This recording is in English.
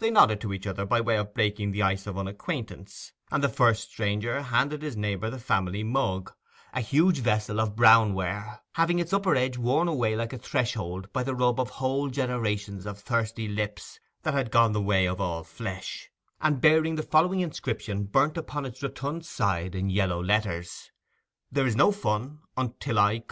They nodded to each other by way of breaking the ice of unacquaintance, and the first stranger handed his neighbour the family mug—a huge vessel of brown ware, having its upper edge worn away like a threshold by the rub of whole generations of thirsty lips that had gone the way of all flesh, and bearing the following inscription burnt upon its rotund side in yellow letters THERE IS NO FUN UNTiLL i CUM.